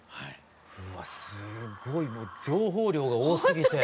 うわすごいもう情報量が多すぎて。